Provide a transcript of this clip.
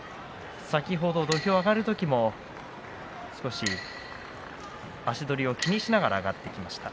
先ほど、土俵に上がる時も少し足取りを気にしながら上がってきました。